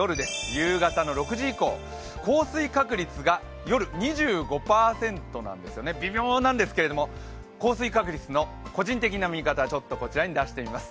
夕方の６時以降、降水確率が夜２５％なんですよね、微妙なんですけれども、降水確率の個人的な見方をこちらに出してみます。